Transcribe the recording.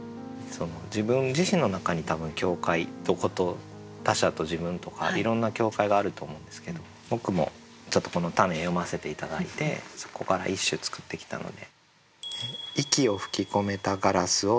自分自身の中に多分境界他者と自分とかいろんな境界があると思うんですけど僕もこのたね読ませて頂いてそこから一首作ってきたので。